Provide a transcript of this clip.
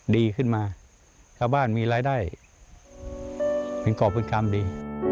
ดีขึ้นมาชาวบ้านมีรายได้เป็นกรอบเป็นกรรมดี